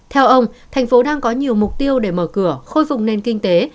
theo ông thành phố đang có nhiều mục tiêu để mở cửa khôi phục nền kinh tế